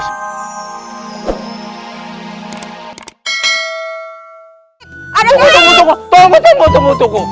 tunggu tunggu tunggu